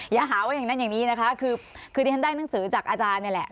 อย่าหาว่าอย่างนั้นอย่างนี้นะคะคือที่ฉันได้หนังสือจากอาจารย์นี่แหละ